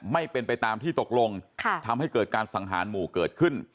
ไม่เป็นไปตามที่ตกลงทำให้เกิดการสังหารหมู่เกิดขึ้น